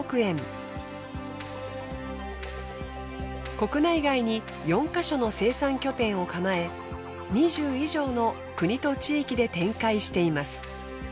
国内外に４ヵ所の生産拠点を構え２０以上の国と地域で展開しています。